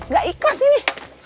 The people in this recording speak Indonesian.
gak ikhlas ini